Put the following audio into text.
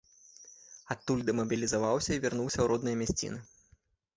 Адтуль дэмабілізаваўся і вярнуўся ў родныя мясціны.